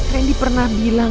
randy pernah bilang